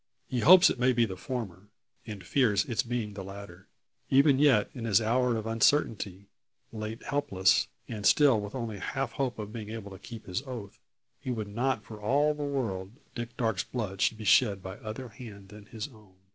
He hopes it may be the former, and fears its being the latter. Even yet, in his hour of uncertainty, late helpless, and still with only a half hope of being able to keep his oath, he would not for all the world Dick Darke's blood should be shed by other hand than his own!